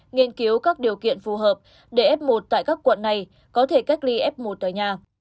nghiên cứu các điều kiện phù hợp để f một tại các quận này có thể cách ly f một tại nhà